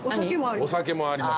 お酒もあります。